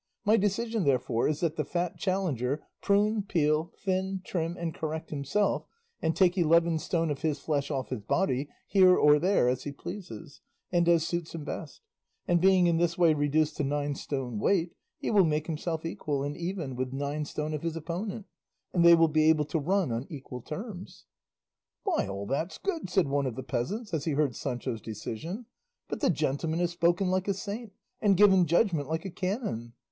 My decision, therefore, is that the fat challenger prune, peel, thin, trim and correct himself, and take eleven stone of his flesh off his body, here or there, as he pleases, and as suits him best; and being in this way reduced to nine stone weight, he will make himself equal and even with nine stone of his opponent, and they will be able to run on equal terms." "By all that's good," said one of the peasants as he heard Sancho's decision, "but the gentleman has spoken like a saint, and given judgment like a canon!